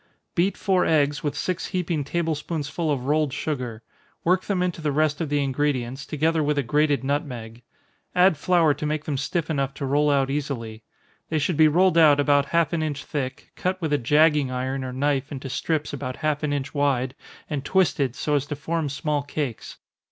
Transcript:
Beat four eggs, with six heaping table spoonsful of rolled sugar work them into the rest of the ingredients, together with a grated nutmeg add flour to make them stiff enough to roll out easily. They should be rolled out about half an inch thick, cut with a jagging iron or knife into strips about half an inch wide, and twisted, so as to form small cakes.